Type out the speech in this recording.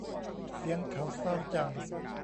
เสียงเขาเศร้าจัง